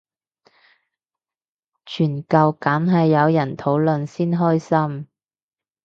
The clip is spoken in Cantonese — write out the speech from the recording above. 傳教梗係有人討論先開心